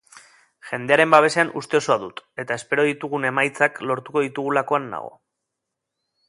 Jendearen babesean uste osoa dut, eta espero ditugun emaitzak lortuko ditugulakoan nago.